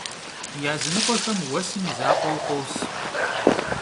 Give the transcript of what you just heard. Yazınıkhuexem vuesım yi zakhue khos.